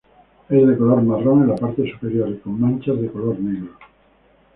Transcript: Es de color marrón en la parte superior y con manchas de color negro.